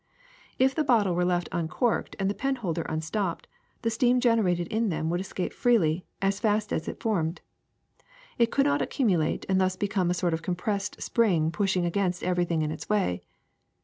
^'If the bottle were left uncorked and the penholder unstopped, the steam generated in them would es cape freely as fast as it formed. It could not ac cumulate and thus become a sort of compressed spring pushing against everything in its way.